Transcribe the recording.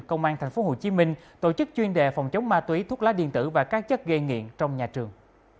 công an tp hcm tổ chức chuyên đề phòng chống ma túy thuốc lá điện tử và các chất gây nghiện trong nhà trường